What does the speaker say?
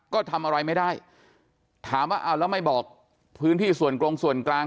ก็ทำอะไรไม่ได้ถามว่าเอาแล้วไม่บอกพื้นที่ส่วนกรงส่วนกลาง